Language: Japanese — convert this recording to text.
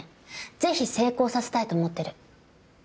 ぜひ成功させたいと思ってる。